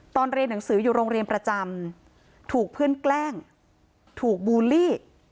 เรียนหนังสืออยู่โรงเรียนประจำถูกเพื่อนแกล้งถูกบูลลี่